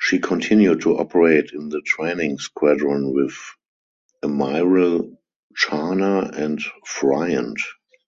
She continued to operate in the training squadron with "Amiral Charner" and "Friant".